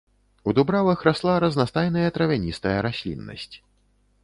У дубравах расла разнастайная травяністая расліннасць.